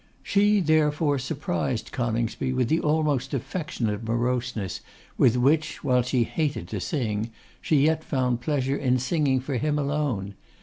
She, therefore, surprised Coningsby with the almost affectionate moroseness with which, while she hated to sing, she yet found pleasure in singing for him alone.